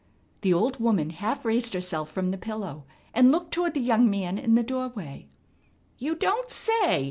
The old woman half raised herself from the pillow and looked toward the young man in the doorway: "You don't say!